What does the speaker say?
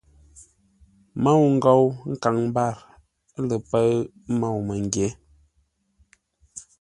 Môu ngou nkaŋ mbâr ləpə̂ʉ môu-məngyě.